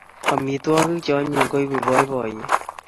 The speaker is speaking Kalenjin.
Amitwogik che anyiny koipu boinoiyet